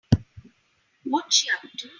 What's she up to?